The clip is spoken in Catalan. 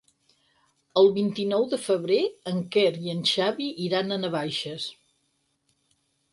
El vint-i-nou de febrer en Quer i en Xavi iran a Navaixes.